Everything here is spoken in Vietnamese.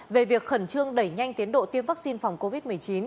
về việc khẩn trương đẩy nhanh tiến độ tiêm vaccine phòng covid một mươi chín